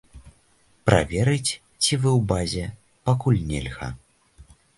Праверыць, ці вы ў базе, пакуль нельга.